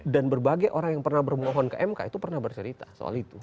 dan berbagai orang yang pernah bermohon ke mk itu pernah bercerita soal itu